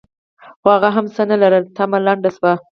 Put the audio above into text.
خو هغه هم څه نه لرل؛ تمه لنډه شوه.